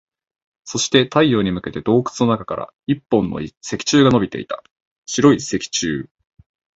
そして、太陽に向けて洞窟の中から一本の石柱が伸びていた。白い石柱。